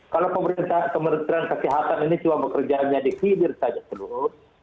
kalau pemerintah kesehatan ini cuma bekerja di sidir saja seluruh